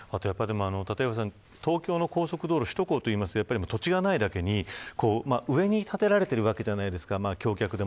立岩さん、東京の高速道路首都高は土地がないだけに上に建てられているわけじゃないですか。